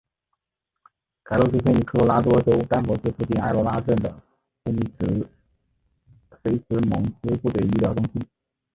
凯瑞出生于科罗拉多州丹佛市附近爱罗拉镇的菲兹蒙斯部队医疗中心。